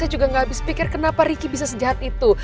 saya juga gak habis pikir kenapa ricky bisa sejahat itu